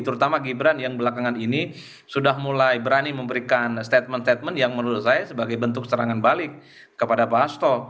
terutama gibran yang belakangan ini sudah mulai berani memberikan statement statement yang menurut saya sebagai bentuk serangan balik kepada pak hasto